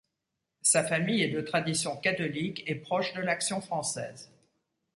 Sa famille est de tradition catholique et proche de l'Action française.